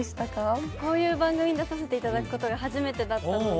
こういう番組に出させていただくことが初めてだったので。